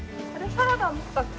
サラダ持ったっけ？